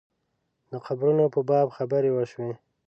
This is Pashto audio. د قبرونو په باب خبرې وشوې.